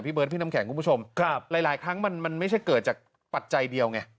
เบิร์ดพี่น้ำแข็งคุณผู้ชมครับหลายครั้งมันมันไม่ใช่เกิดจากปัจจัยเดียวไง